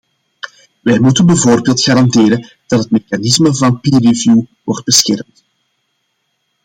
Wij moeten bijvoorbeeld garanderen dat het mechanisme van peer review wordt beschermd.